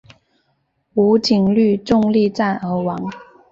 吴瑾率众力战而亡。